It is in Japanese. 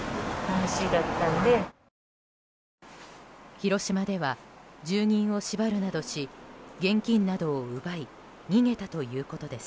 広島では、住人を縛るなどし現金などを奪い逃げたということです。